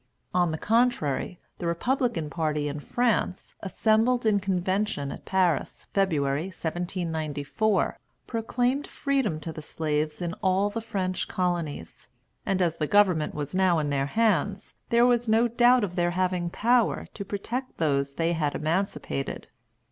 On the contrary, the Republican party in France, assembled in convention at Paris, February, 1794, proclaimed freedom to the slaves in all the French colonies; and as the government was now in their hands, there was no doubt of their having power to protect those they had emancipated.